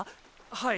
はい